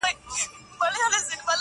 په جهان کي به خوره وره غوغا سي-